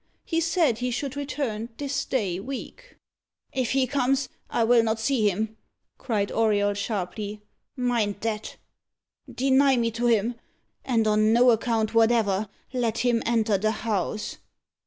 He said he should return this day week." "If he comes I will not see him," cried Auriol sharply; "mind that. Deny me to him; and on no account whatever let him enter the house."